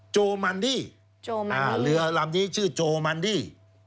โจมันนี่ลำนี้ชื่อโจมันนี่